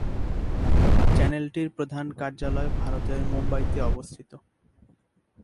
চ্যানেলটির প্রধান কার্যালয় ভারতের মুম্বইতে অবস্থিত।